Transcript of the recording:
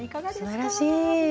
すばらしい。